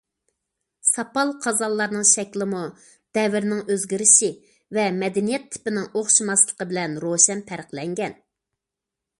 ساپال قازانلارنىڭ شەكلىمۇ دەۋرنىڭ ئۆزگىرىشى ۋە مەدەنىيەت تىپىنىڭ ئوخشىماسلىقى بىلەن روشەن پەرقلەنگەن.